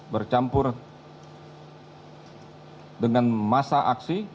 bercampur dengan masa aksi